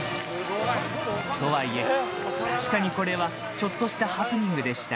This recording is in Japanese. とはいえ、確かにこれはちょっとしたハプニングでした。